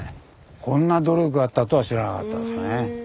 こんな努力があったとは知らなかったですね。